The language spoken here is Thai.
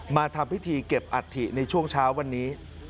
มาทำพิธีเก็บอัฐิในช่วงเช้าวันนี้